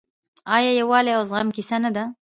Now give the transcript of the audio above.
آیا د یووالي او زغم کیسه نه ده؟